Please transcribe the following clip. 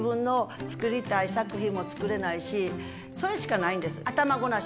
それしかないんです。